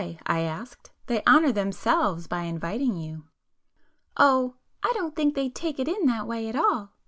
I asked—"They honour themselves by inviting you." "Oh, I don't think they take it in that way at all!"